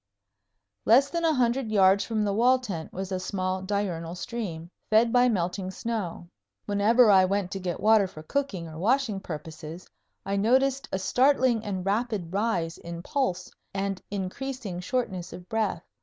Less than a hundred yards from the wall tent was a small diurnal stream, fed by melting snow. Whenever I went to get water for cooking or washing purposes I noticed a startling and rapid rise in pulse and increasing shortness of breath.